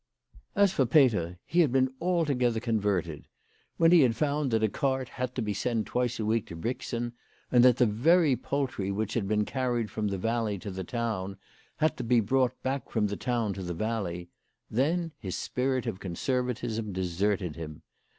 As for Peter, he had been altogether converted. When he found that a cart had to be sent twice a week to Brixen, and that the very poultry which had been carried from the valley to the town had to be brought back from the town to the valley, then his spirit of conservatism deserted him.